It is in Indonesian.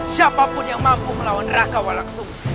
siapapun yang mampu melawan raka walak sum